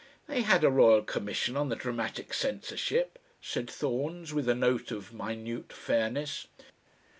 "They had a Royal Commission on the Dramatic Censorship," said Thorns, with a note of minute fairness.